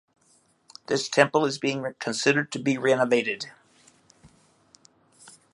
This temple is being considered to be renovated.